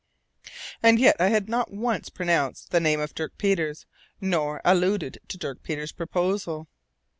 And yet I had not once pronounced the name of Dirk Peters, nor alluded to Dirk Peters' proposal.